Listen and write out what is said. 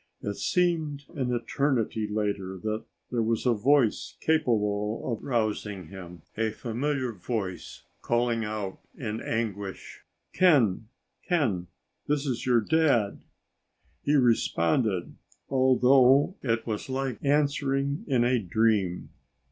It seemed an eternity later that there was a voice capable of rousing him, a familiar voice calling out in anguish, "Ken, Ken this is your dad." He responded, although it was like answering in a dream.